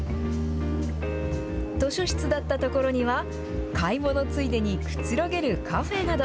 図書室だった所には、買い物ついでにくつろげるカフェなど。